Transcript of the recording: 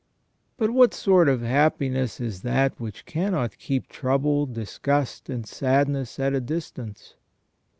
But what sort of happiness is that which cannot keep trouble, disgust, and sadness at a distance?